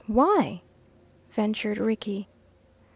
"Why?" ventured Rickie.